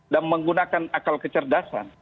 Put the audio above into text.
dan menggunakan akal kecerdasan